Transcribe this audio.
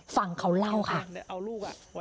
ฟังเขาเล่าค่ะ